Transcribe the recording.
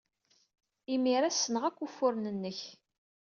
Imir-a, ssneɣ akk ufuren-nnek!